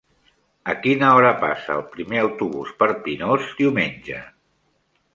A quina hora passa el primer autobús per Pinós diumenge?